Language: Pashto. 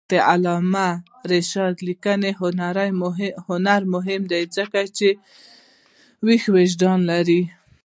د علامه رشاد لیکنی هنر مهم دی ځکه چې ویښ وجدان لري.